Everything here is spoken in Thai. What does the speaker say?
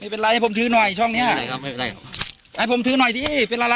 ไม่เป็นไรให้ผมทื้อหน่อยช่องเนี้ยไม่เป็นไรครับไม่เป็นไรครับ